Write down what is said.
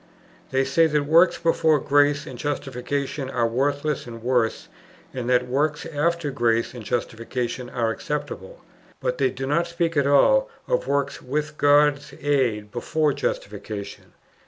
They say that works before grace and justification are worthless and worse, and that works after grace and justification are acceptable, but they do not speak at all of works with God's aid before justification.